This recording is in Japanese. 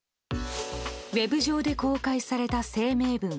ウェブ上で公開された声明文。